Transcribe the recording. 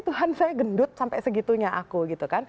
tuhan saya gendut sampai segitunya aku